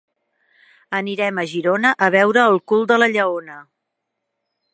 Anirem a Girona a veure el cul de la lleona.